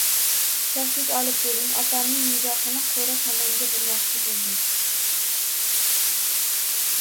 – «Shashlik» olib bering, – otamning nigohini qo‘ra tomonga burmoqchi bo‘ldim.